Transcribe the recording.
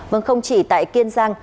vâng không chỉ tại kiên giang